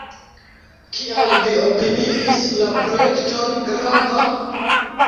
Kial vi opiniis la projekton grava?